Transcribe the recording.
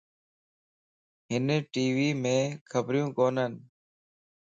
ھن ٽي ويئم خبريون ڪونين.